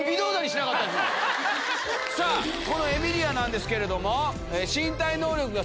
このエミリアなんですけれども。